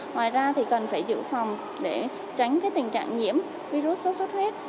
ngoài ra thì cần phải giữ phòng để tránh tình trạng nhiễm virus sốt xuất huyết